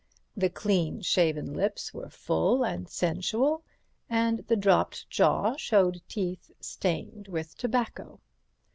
The clean shaven lips were full and sensual, and the dropped jaw showed teeth stained with tobacco.